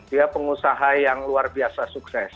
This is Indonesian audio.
dia pengusaha yang luar biasa sukses